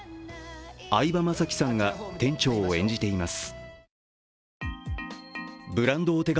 相葉雅紀さんが店長を演じています。